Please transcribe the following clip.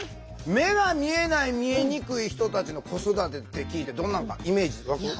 目が見えない見えにくい人たちの子育てって聞いてどんなんかイメージ湧く？